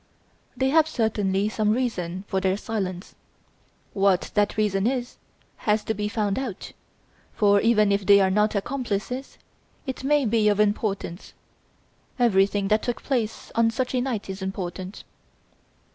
"They have certainly some reason for their silence. What that reason is, has to be found out; for, even if they are not accomplices, it may be of importance. Everything that took place on such a night is important."